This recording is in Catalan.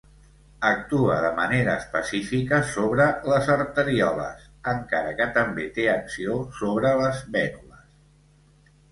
Actua de manera específica sobre les arterioles, encara que també té acció sobre les vènules.